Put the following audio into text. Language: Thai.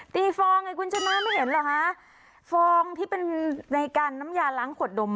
ฟองไงคุณชนะไม่เห็นเหรอฮะฟองที่เป็นในการน้ำยาล้างขวดนม